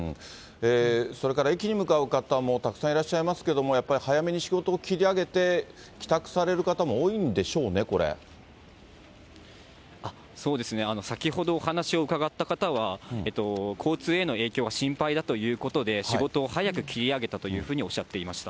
それから駅に向かう方もたくさんいらっしゃいますけれども、やっぱり早めに仕事を切り上げて帰宅される方も多いんでしょうね、そうですね、先ほどお話を伺った方は、交通への影響が心配だということで、仕事を早く切り上げたというふうにおっしゃっていました。